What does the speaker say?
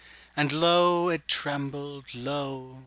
And lo! it trembled, lo!